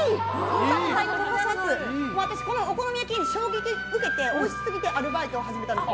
私、このお好み焼きに衝撃を受けておいしすぎてアルバイトを始めたんです。